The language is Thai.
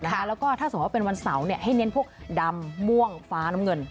แล้วก็ถ้าสมมุติว่าเป็นวันเสาร์ให้เน้นพวกดำม่วงฟ้าน้ำเงิน